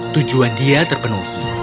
tujuan dia terpenuhi